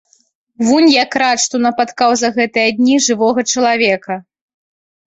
Вунь як рад, што напаткаў за гэтыя дні жывога чалавека.